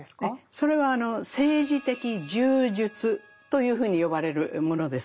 それは「政治的柔術」というふうに呼ばれるものです。